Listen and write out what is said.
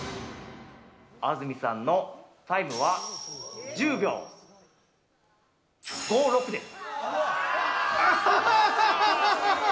安住さんのタイムは、１０秒５６です。